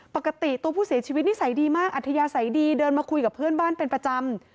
ปกติตัวผู้เสียชีวิตนิสัยดีมากอัธยาศัยดีเดินมาคุยกับเพื่อนบ้านเป็นประจำ